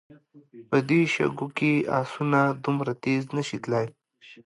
په دې شګو کې آسونه دومره تېز نه شي تلای.